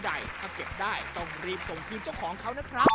ใดถ้าเก็บได้ต้องรีบส่งคืนเจ้าของเขานะครับ